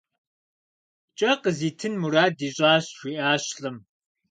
Кӏэ къызитын мурад ищӏащ, - жиӏащ лӏым.